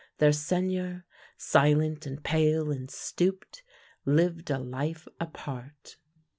Their Seigneur, silent and pale and stooped, lived a life apart.